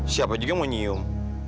siapa juga mau nyium